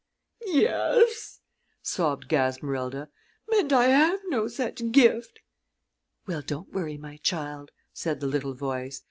"Yes," sobbed Gasmerilda, "and I have no such gift." "Well, don't worry, my child," said the little voice.